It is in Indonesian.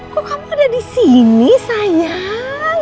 kok kamu ada di sini sayang